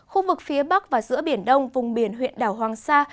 khu vực phía bắc và giữa biển đông vùng biển huyện đảo hoàng sa